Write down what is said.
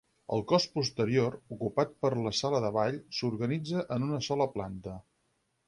El cos posterior, ocupat per la sala de ball, s'organitza en una sola planta.